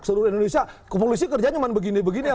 seluruh indonesia polisi kerja cuma begini beginian